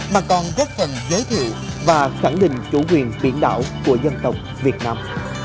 mà còn góp phần giới thiệu và khẳng định chủ quyền biển đảo của dân tộc việt nam